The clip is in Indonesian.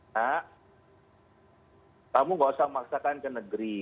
nak kamu gak usah memaksakan ke negeri